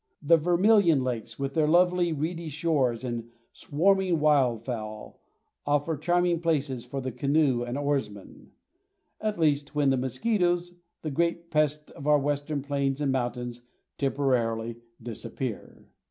The Vermilion lakes, with their low reedy shores and swarming wild fowl, offer charming places for the canoe and oarsman, at least when the mosquitoes, the great pest of our western plains and mountains, temporarily disappear.